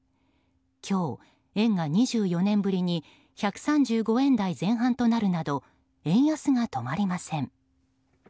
今日、円が２４年ぶりに１３５円台前半となるなど円安が止まりません。